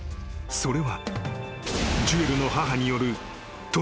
［それは］